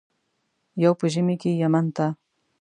یو په ژمي کې یمن ته.